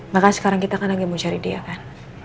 makanya sekarang kita kan lagi mau cari dia kan